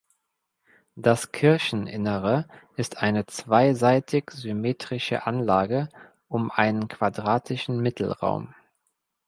Das Kircheninnere ist eine zweiseitig symmetrische Anlage um einen quadratischen Mittelraum.